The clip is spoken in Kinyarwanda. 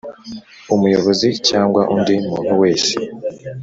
Umuyobozi cyangwa undi muntu wese